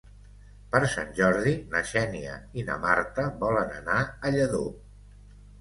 Per Sant Jordi na Xènia i na Marta volen anar a Lladó.